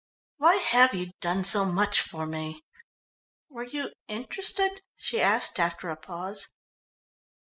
"Why have you done so much for me? Were you interested?" she asked after a pause.